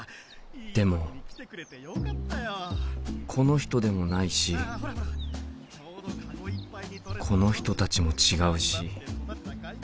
でもこの人でもないしこの人たちも違うし。